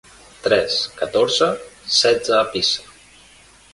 Tres, catorze, setze a Pisa.